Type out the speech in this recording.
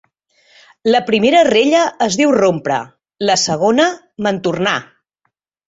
La primera rella es diu rompre; la segona, mantornar.